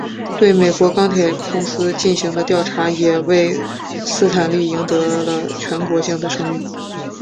对美国钢铁公司进行的调查也为斯坦利赢得了全国性的声誉。